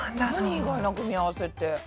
意外な組み合わせって。